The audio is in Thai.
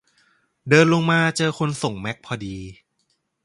เดินลงมาเจอคนส่งแม็คพอดี